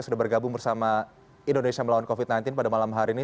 sudah bergabung bersama indonesia melawan covid sembilan belas pada malam hari ini